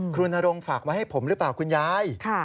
คุณนรงฝากไว้ให้ผมหรือเปล่าคุณยาย